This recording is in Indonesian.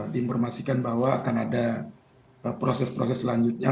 diinformasikan bahwa akan ada proses proses selanjutnya